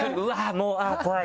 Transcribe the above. もう怖い！